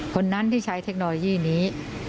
คนนั้นที่ใช้เทคโนโลยีนี้